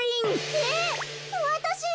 えっわたし！？